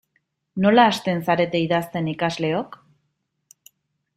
Nola hasten zarete idazten ikasleok?